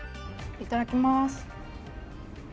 いただきます。